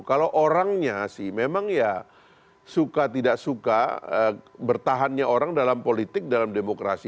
kalau orangnya sih memang ya suka tidak suka bertahannya orang dalam politik dalam demokrasi